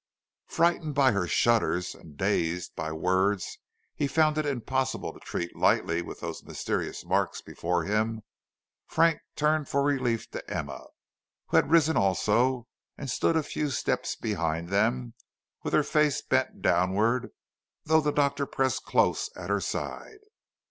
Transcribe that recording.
Frightened by her shudders and dazed by words he found it impossible to treat lightly with those mysterious marks before him, Frank turned for relief to Emma, who had risen also and stood a few steps behind them, with her face bent downward though the Doctor pressed close at her side.